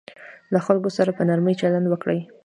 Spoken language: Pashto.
له خلکو سره په نرمي چلند وکړئ.